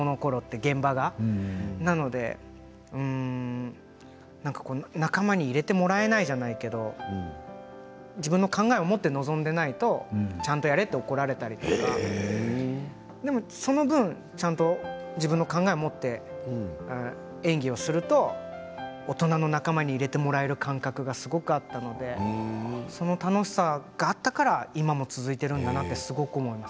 現場というのは仲間に入れてもらえないんじゃないけど自分の考えを持って臨んでいないとちゃんとやれと怒られたりとかでもその分ちゃんと自分の考えを持って演技をすると大人の仲間に入れてもらえる感覚がすごくあったのでその楽しさがあったから今も続いているんだなってすごく思います。